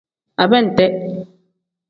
Abente.